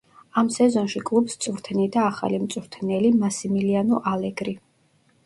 ამ სეზონში კლუბს წვრთნიდა ახალი მწვრთნელი მასიმილიანო ალეგრი.